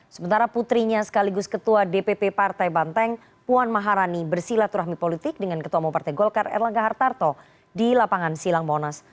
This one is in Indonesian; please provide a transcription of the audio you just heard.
sementara putrinya sekaligus ketua dpp partai banteng puan maharani bersilaturahmi politik dengan ketua umum partai golkar erlangga hartarto di lapangan silang monas